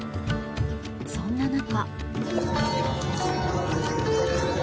そんな中。